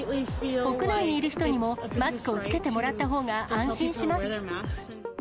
屋内にいる人にもマスクを着けてもらったほうが安心します。